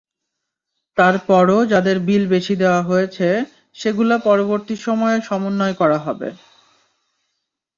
তারপরও যাঁদের বিল বেশি দেওয়া হয়েছে, সেগুলো পরবর্তী সময়ে সমন্বয় করা হবে।